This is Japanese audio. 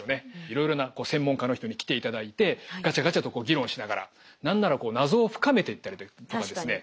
いろいろな専門家の人に来ていただいてガチャガチャとこう議論しながら何ならこう謎を深めていったりとかですね